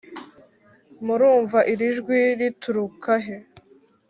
Murumva iri jwi riturukahe ?